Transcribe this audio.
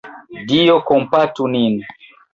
Dio kompatu nin!